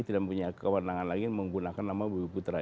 tidak punya kewenangan lagi menggunakan nama bumi putra